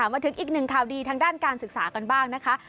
มาถึงอีกหนึ่งข่าวดีทางด้านการศึกษากันบ้างนะคะ